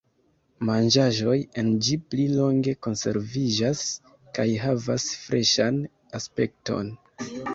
Manĝaĵoj en ĝi pli longe konserviĝas kaj havas freŝan aspekton.